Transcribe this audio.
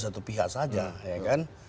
satu pihak saja